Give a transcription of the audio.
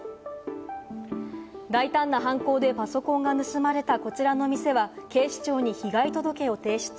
大胆な犯行でパソコンが盗まれたこちらの店は警視庁に被害届を提出。